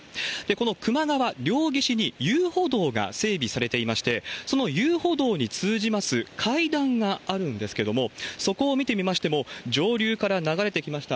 この球磨川、両岸に遊歩道が整備されていまして、その遊歩道に通じます階段があるんですけれども、そこを見てみましても、上流から流れてきました